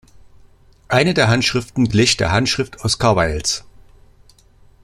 Eine der Handschriften glich der Handschrift Oscar Wildes.